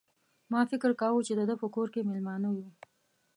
ما فکر کاوه چې د ده په کور کې مېلمانه یو.